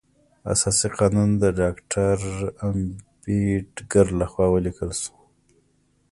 اساسي قانون د ډاکټر امبیډکر لخوا ولیکل شو.